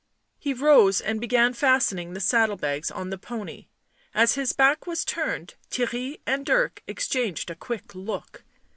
He rose and began fastening the saddle bags on the pony ; as his back was turned Theirry and Dirk ex changed a quick look.